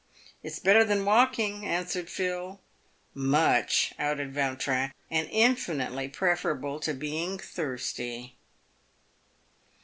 " It's better than walking," an swered Phil. " Much," added Vautrin ;" and infinitely preferable to being thirsty."